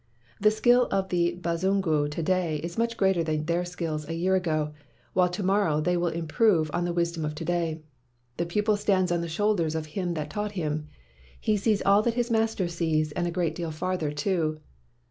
The skill of the Bazungu to day is much greater than their skill a year ago, while to morrow they will improve on the wisdom of to day. The pupil stands on the shoulders of him that taught him. He sees all that his master sees, and a great deal farther too."